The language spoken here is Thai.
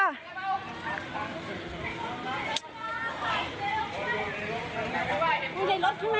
เย้ครับ